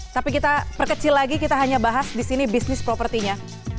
tapi kita perkecil lagi kita hanya bahas di sini bisnis propertinya